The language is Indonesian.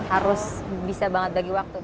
harus bisa banget bagi waktu